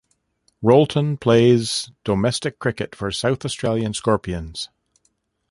Rolton plays domestic cricket for South Australian Scorpions.